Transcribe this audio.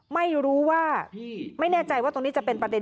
ไม่แน่ใจว่าตรงนี้จะเป็นประเด็น